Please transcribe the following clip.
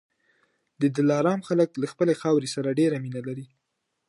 د دلارام خلک له خپلي خاورې سره ډېره مینه لري.